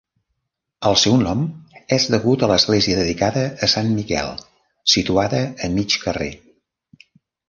El seu nom és degut a l'església dedicada a Sant Miquel, situada a mig carrer.